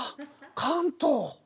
関東！